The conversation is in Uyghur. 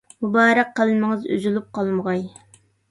مۇبارەك قەلىمىڭىز ئۈزۈلۈپ قالمىغاي.